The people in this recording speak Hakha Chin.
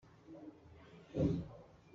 A sual man a cawi cawk lo.